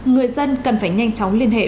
người dân cần phải nhanh chóng liên hệ